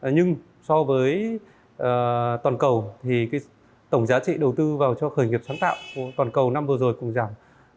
nhưng so với toàn cầu thì tổng giá trị đầu tư vào cho khởi nghiệp sáng tạo của toàn cầu năm vừa rồi cũng giảm ba mươi năm